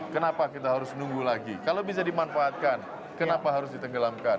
kenapa kita harus nunggu lagi kalau bisa dimanfaatkan kenapa harus ditenggelamkan